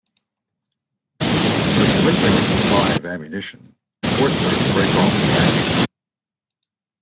Her dwindling supply of ammunition forced her to break off the action.